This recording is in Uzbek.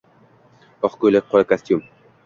Oq ko`ylak, qora kostyum